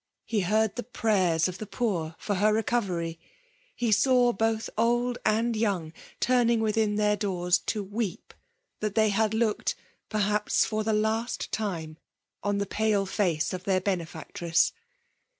He heard the prayers of the poor for her recovery. He saw both old and young turning within their doors to weep that they had looked, perhaps^ for the last time on the pale face of their benefactress.